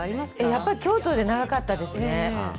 やっぱり、京都で長かったですね。